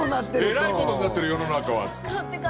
えらいことになってる世の中はって。